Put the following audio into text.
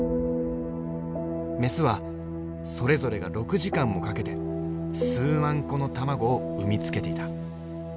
メスはそれぞれが６時間もかけて数万個の卵を産み付けていた。